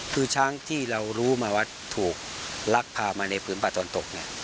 คือช้างที่เรารู้มาว่าถูกลักพามาในพื้นป่าตอนตกเนี่ย